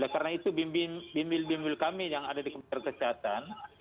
karena itu bimbing bimbing kami yang ada di kementerian kesehatan